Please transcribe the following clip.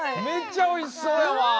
めっちゃおいしそうやわ。